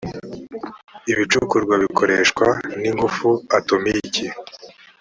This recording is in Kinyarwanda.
ibicukurwa bikoreshwa n’ ingufu atomiki